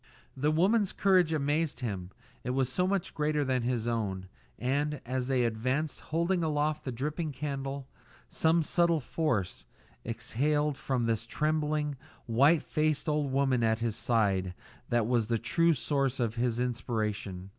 The woman's courage amazed him; it was so much greater than his own; and, as they advanced, holding aloft the dripping candle, some subtle force exhaled from this trembling, white faced old woman at his side that was the true source of his inspiration.